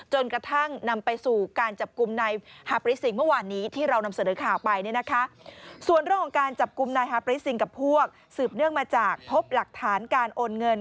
จนกระทั่งนำไปสู่การจับกลุ่มนายฮาปริสิงฮ์เมื่อวานนี้ที่เรานำเสนอข่าวไป